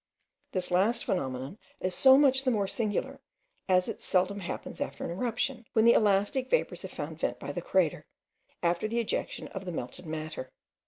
This last phenomenon is so much the more singular, as it seldom happens after an eruption, when the elastic vapours have found vent by the crater, after the ejection of the melted matter.